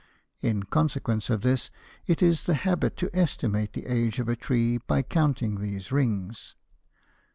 In consequence of this it is the habit to estimate the age of a tree by counting these rings.